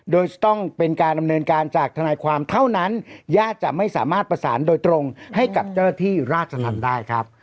โดยจะต้องเป็นการดำเนินการจากทนายความเท่านั้นญาติจะไม่สามารถประสานโดยตรงให้กับเจ้าหน้าที่ราชธรรมได้ครับ